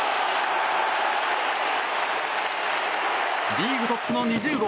リーグトップの２０号。